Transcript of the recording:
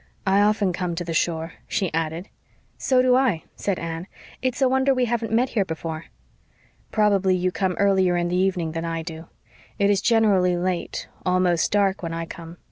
"I often come to the shore," she added. "So do I," said Anne. "It's a wonder we haven't met here before." "Probably you come earlier in the evening than I do. It is generally late almost dark when I come.